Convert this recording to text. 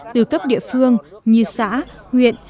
từ cấp địa phương như xã nguyện